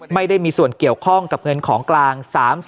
ไม่ได้มีส่วนเกี่ยวข้องกับเงินของกลาง